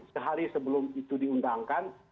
sehari sebelum itu diundangkan